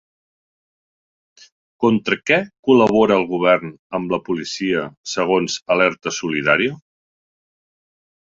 Contra què col·labora el govern amb la policia segons Alerta Solidària?